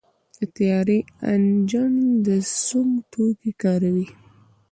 د طیارې انجن د سونګ توکي کاروي.